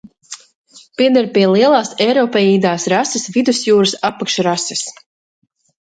Pieder pie lielās eiropeīdās rases Vidusjūras apakšrases.